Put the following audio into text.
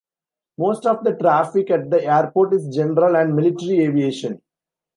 Most of the traffic at the airport is general and military aviation.